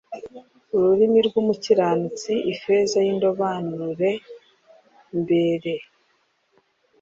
ururimi rw’umukiranutsini ifeza y’indobanumbersre,